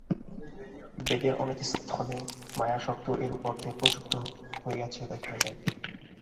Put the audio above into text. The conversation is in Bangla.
বেদের অনেক স্থলে মায়া-শব্দ ঐরূপ অর্থে প্রযুক্ত হইয়াছে দেখা যায়।